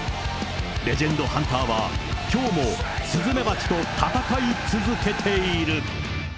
レジェンドハンターは、きょうもスズメバチと戦い続けている。